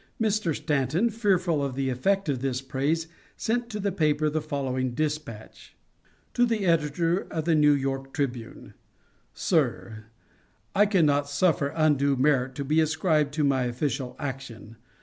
Mr. Stanton, fearful of the effect of this praise, sent to the paper the following dispatch: To the Editor of the New York Tribune: SIR: I can not suffer undue merit to be ascribed to my official action.